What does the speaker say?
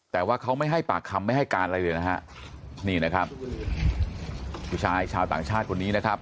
แต่ว่าเขาไม่ให้ปากคำไม่ให้การอะไรเลยนะฮะนี่นะครับผู้ชายชาวต่างชาติคนนี้นะครับ